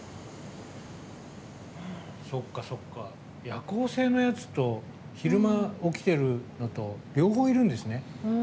夜行性のやつと昼間起きてるのと両方いるんですね。